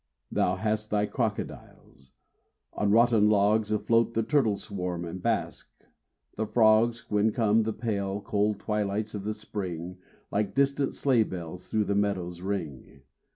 Thou hast thy crocodiles: on rotten logs Afloat, the turtles swarm and bask: the frogs, When come the pale, cold twilights of the spring, Like distant sleigh bells through the meadows ring.